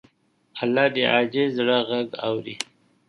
الله د عاجز زړه غږ اوري.